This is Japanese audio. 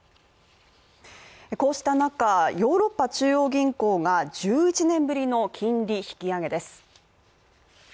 こうした中、ヨーロッパ中央銀行が１１年ぶりの金利引き上げです。